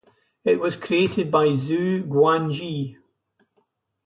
It was created by Xu Guangqi.